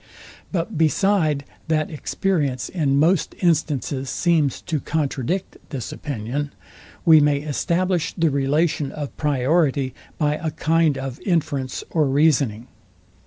But beside that experience in most instances seems to contradict this opinion, we may establish the relation of priority by a kind of inference or reasoning.